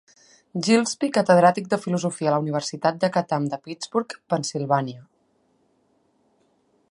Gillespie catedràtic de Filosofia a la Universitat de Chatham de Pittsburgh, Pennsilvània.